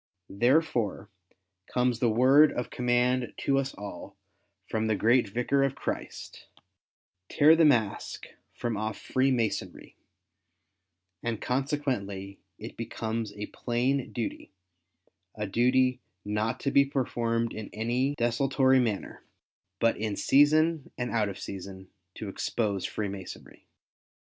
Therefore, comes the word of command to us all, from the great Vicar of Christ —" Tear the mask from off Freemasonry;" and consequently, it becomes a plain duty, a duty not to be performed in any desultory manner, but in season and out of season, to expose Freemasonry.